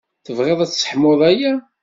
Tebɣiḍ ad sseḥmuɣ aya?